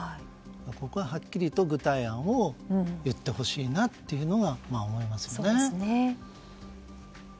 僕ははっきりと具体案を言ってほしいなと思いますね。